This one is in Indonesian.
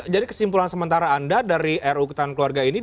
jadi kesimpulan sementara anda dari ru ketahan keluarga ini